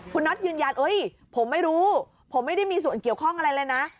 คุณน็อตยืนยันผมไม่รู้ผมไม่ได้มีส่วนเกี่ยวข้องอะไรเลยนะ